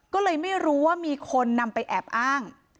ก็เลยไม่รู้ว่ามีคนนำไปแอบอ้าง